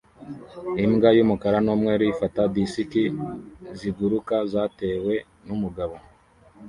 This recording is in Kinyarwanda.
Imbwa y'umukara n'umweru ifata disiki ziguruka zatewe n'umugabo